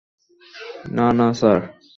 না, না স্যার।